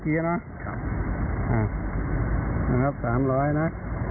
เงินให้กระเป๋านะ